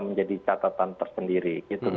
menjadi catatan tersendiri